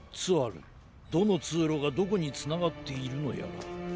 どのつうろがどこにつながっているのやら。